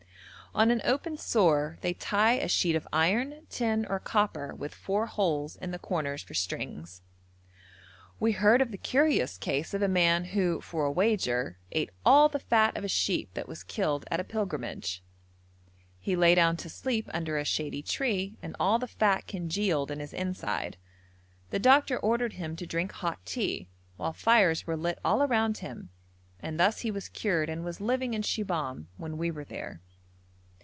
On an open sore they tie a sheet of iron, tin, or copper with four holes in the corners for strings. We heard of the curious case of a man who for a wager ate all the fat of a sheep that was killed at a pilgrimage. He lay down to sleep under a shady tree and all the fat congealed in his inside. The doctor ordered him to drink hot tea, while fires were lit all around him, and thus he was cured and was living in Shibahm when we were there.